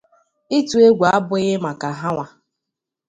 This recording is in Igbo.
Ịtụ egwu abụghị maka hanwa